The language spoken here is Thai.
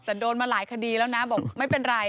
แต่โดนมาหลายคดีแล้วนะบอกไม่เป็นไร